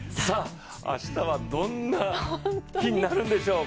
明日はどんな日になるんでしょう？